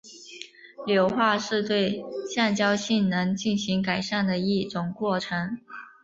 硫化是对橡胶性能进行改良的一种过程。